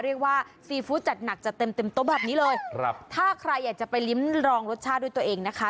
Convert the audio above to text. เรียกว่าซีฟู้ดจัดหนักจัดเต็มต้มแบบนี้เลยถ้าใครอยากจะไปลิ้มลองรสชาติด้วยตัวเองนะคะ